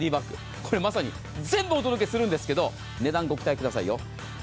これ、まさに全部お届けするんですけど、値段をご期待くださいよ。